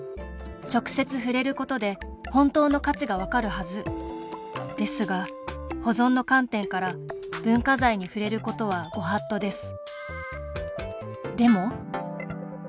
直接触れることで本当の価値が分かるはずですが保存の観点から文化財に触れることはご法度です。